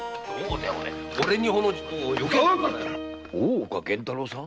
大岡源太郎さん？